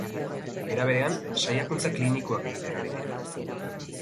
Era berean, saiakuntza klinikoak egiten ari dira.